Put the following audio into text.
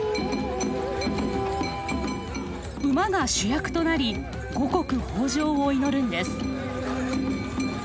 馬が主役となり五穀豊穣を祈るんです。